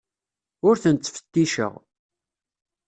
Ur ten-ttfetticeɣ.